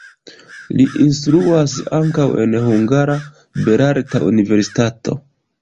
Li instruas ankaŭ en Hungara Belarta Universitato.